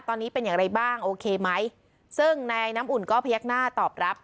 ตอนนี้เป็นอย่างไรบ้างโอเคไหมซึ่งนายน้ำอุ่นก็พยักหน้าตอบรับ